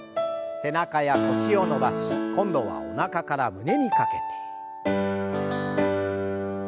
背中や腰を伸ばし今度はおなかから胸にかけて。